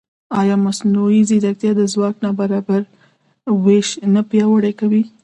ایا مصنوعي ځیرکتیا د ځواک نابرابر وېش نه پیاوړی کوي؟